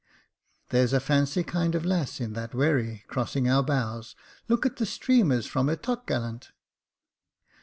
There's a fancy kind of lass in that wherry, cross ing our bows J look at the streamers from her top gallant.